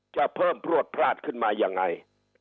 จะเพิ่มพลวดพลาดขึ้นมายังไง